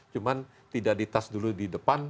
cuma tidak di tas dulu di depan